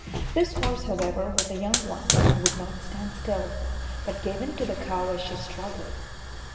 This horse, however, was a young one, and would not stand still, but gave in to the cow as she struggled.